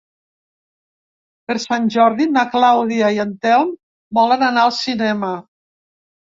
Per Sant Jordi na Clàudia i en Telm volen anar al cinema.